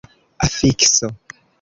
afikso